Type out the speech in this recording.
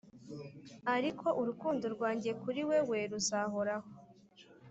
ariko urukundo rwanjye kuri wewe ruzahoraho,